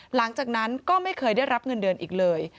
หลังจากนั้นก็ไม่เคยได้รับเงินเดือนอีกเลย